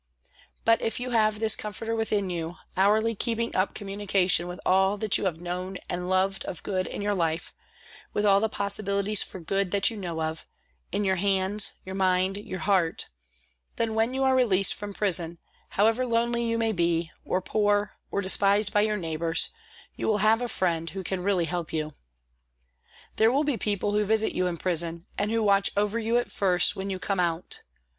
But if you have this comforter within you, hourly keeping up communication with all that you have known and loved of good in your life, with all the possibilities for good that you know of in your hands, your mind, your heart then when you are released from prison, however lonely you may be, or poor, or despised by your neighbours, you will have a friend who can really help you. There will be people who visit you in prison, and who watch over you at first when you come out.